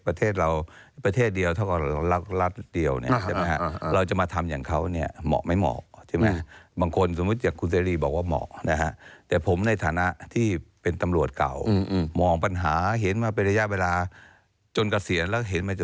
ประเทศเรียกลับเป็นรัฐเดียว